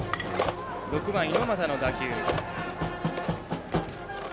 ６番、猪俣の打球。